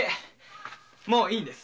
もういいんです。